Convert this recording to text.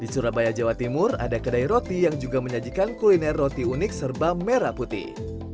di surabaya jawa timur ada kedai roti yang juga menyajikan kuliner roti unik serba merah putih